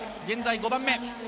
現在５番目。